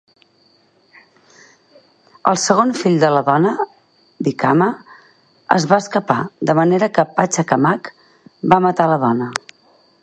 El segon fill de la dona, Wichama, es va escapar, de manera que Pacha Kamaq va matar la dona.